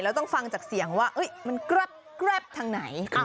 แล้วต้องฟังจากเสียงว่ามันแกรบทางไหน